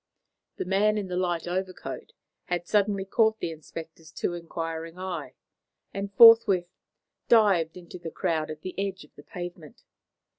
The man in the light overcoat had suddenly caught the inspector's too inquiring eye, and forthwith dived into the crowd at the edge of the pavement.